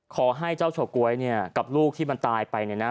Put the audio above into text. ขอให้เจ้าเฉาก๊วยเนี่ยกับลูกที่มันตายไปเนี่ยนะ